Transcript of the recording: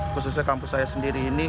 khususnya kampus saya sendiri ini